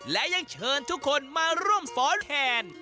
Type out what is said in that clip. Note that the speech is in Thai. และยังเชิญทุกคนมาร่วมฟ้อนแทน